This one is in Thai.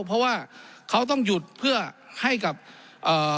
เพราะว่าเขาต้องหยุดเพื่อให้กับเอ่อ